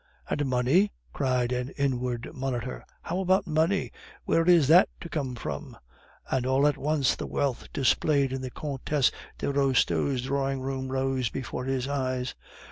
"And money?" cried an inward monitor. "How about money, where is that to come from?" And all at once the wealth displayed in the Countess de Restaud's drawing room rose before his eyes.